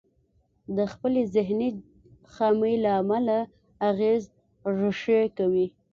د خپلې ذهني خامي له امله اغېز ريښې کوي.